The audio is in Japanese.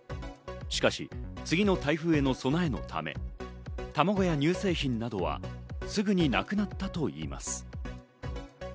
しかし、次の台風への備えのため、卵や乳製品などはすぐになくなったといいます。